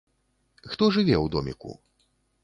Хто жыве ў доміку?